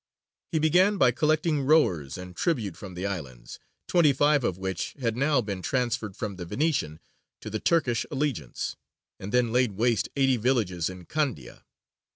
He began by collecting rowers and tribute from the islands, twenty five of which had now been transferred from the Venetian to the Turkish allegiance, and then laid waste eighty villages in Candia.